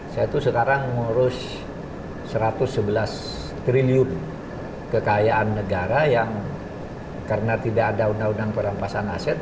saya itu sekarang mengurus satu ratus sebelas triliun kekayaan negara yang karena tidak ada undang undang perampasan aset